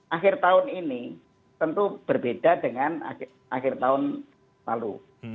akhir tahun ini tentu berbeda dengan akhir tahun lalu